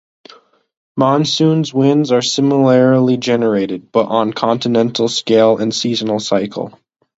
Monsoon winds are similarly generated, but on a continental scale and seasonal cycle.